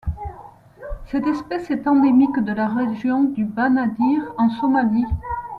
Cette espèce est endémique de la région du Banaadir en Somalie.